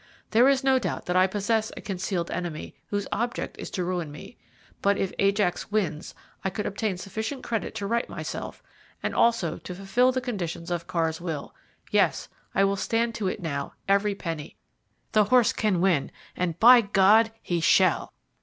There is no doubt that I possess a concealed enemy, whose object is to ruin me; but if Ajax wins I could obtain sufficient credit to right myself, and also to fulfil the conditions of Carr's will. Yes, I will stand to it now, every penny. The horse can win, and by God he shall!"